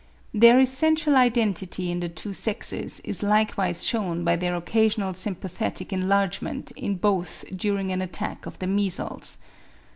Their essential identity in the two sexes is likewise shewn by their occasional sympathetic enlargement in both during an attack of the measles.